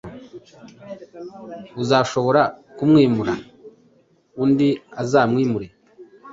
uzashobora kwimura undi azamwimure,